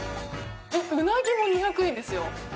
ウナギも２００円ですよ。